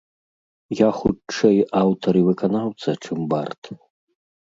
Я хутчэй аўтар і выканаўца, чым бард.